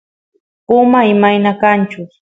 puma imayna kanchus